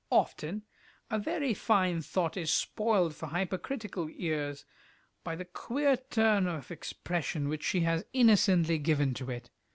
Often a very fine thought is spoiled for hypercritical ears by the queer turn of expression which she has innocently given to it.